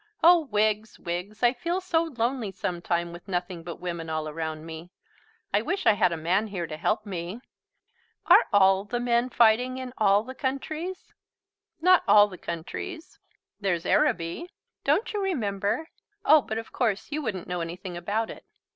Oh, Wiggs, Wiggs, I feel so lonely sometimes with nothing but women all around me. I wish I had a man here to help me." "Are all the men fighting in all the countries?" "Not all the countries. There's Araby. Don't you remember oh, but of course you wouldn't know anything about it.